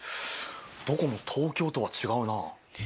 どこも東京とは違うな。